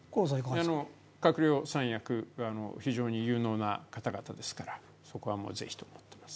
閣僚、三役、非常に有能な方々ですからそこはぜひと思っています。